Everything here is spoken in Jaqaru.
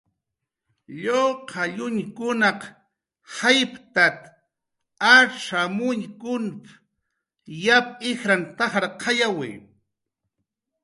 "Lluqallunkunaq jaytat acxamuñkun yap jijran t""ajarqayki. "